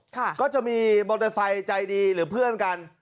ก็จะมีมอเตอร์ไซค์ใจดีหรือเพื่อนกัน